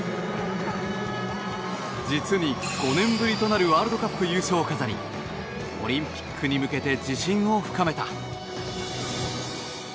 実に５年ぶりとなるワールドカップ優勝を飾りオリンピックに向けて自信を深めた。